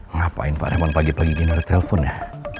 ngapain pak raymond pagi pagi ini ada telepon ya